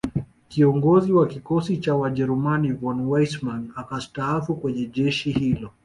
Kiongozi wa Kikosi cha Wajerumani von Wissmann akastaafu kwenye jeshi hilo